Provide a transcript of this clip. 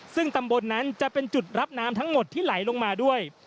ซึ่งตำบลนั้นจะเป็นจุดรับน้ำทั้งหมดที่ไหลลงมาด้วย